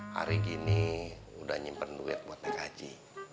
hari gini udah nyimpen duit buat naik haji